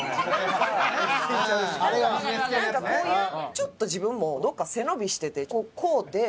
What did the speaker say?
ちょっと自分もどっか背伸びしてて買うてそれ